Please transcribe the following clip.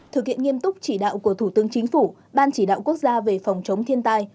thực hiện nghiêm túc chỉ đạo của thủ tướng chính phủ ban chỉ đạo quốc gia về phòng chống thiên tai